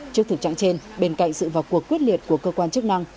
trước thực trạng trên bên cạnh sự vào cuộc quyết liệt của cơ quan chức năng